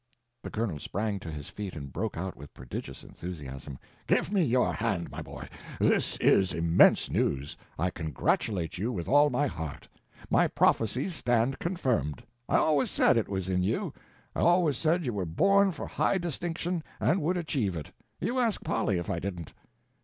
The Colonel sprang to his feet and broke out with prodigious enthusiasm: "Give me your hand, my boy—this is immense news! I congratulate you with all my heart. My prophecies stand confirmed. I always said it was in you. I always said you were born for high distinction and would achieve it. You ask Polly if I didn't."